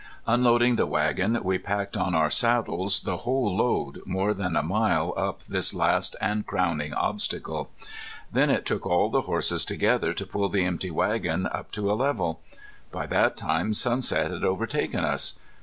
Unloading the wagon we packed on our saddles the whole load more than a mile up this last and crowning obstacle. Then it took all the horses together to pull the empty wagon up to a level. By that time sunset had overtaken us.